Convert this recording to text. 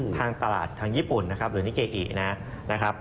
ทางตลาดทางญี่ปุ่นนะครับหรือนิเกอินะครับ